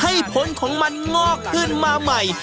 ให้ผลของมันงอกขึ้นมาใหม่